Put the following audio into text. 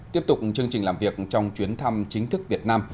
tiếp tục chương trình làm việc trong chuyến thăm chính thức việt nam